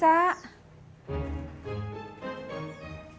bapak mau makan